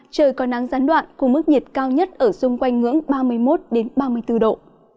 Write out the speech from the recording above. trời có nắng gián đoạn cùng mức nhiệt cao nhất ở xung quanh ngưỡng ba mươi một ba mươi bốn độ